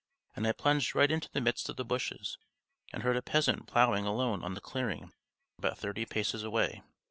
And I plunged right into the midst of the bushes, and heard a peasant ploughing alone on the clearing about thirty paces away.